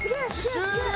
終了！